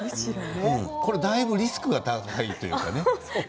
これ、だいぶリスクが高いというかね。